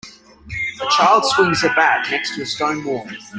A child swings a bat next to a stone wall.